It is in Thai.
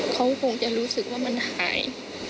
เขาคงจะรู้สึกว่ามันหาย